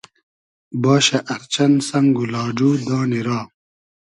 باشۂ ار چئن سئنگ و لاۮو دانی را